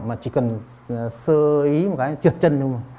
mà chỉ cần sơ ý một cái trượt chân thôi